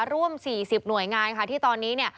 ร่วม๔๐หน่วยงานที่ตอนนี้